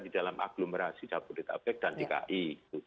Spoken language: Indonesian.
di dalam aglomerasi dapur ditabek dan tki